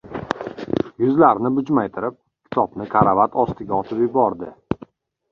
Yuzlarini bujmaytirib, kitobni karavot ostiga otib yubordi…